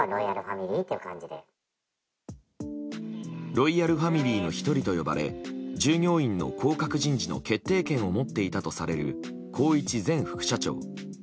ロイヤルファミリーの１人と呼ばれ従業員の降格人事の決定権を持っていたとされる宏一前副社長。